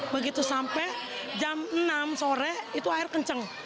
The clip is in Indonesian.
begitu sampai jam enam sore itu air kenceng